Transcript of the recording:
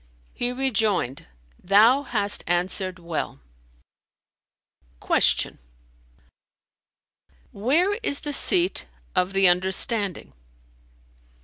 He rejoined, "Thou hast answered well." Q "Where is the seat of the understanding?"